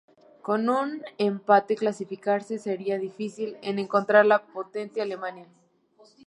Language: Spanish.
Con un empate clasificarse sería difícil en contra de la potente Alemania.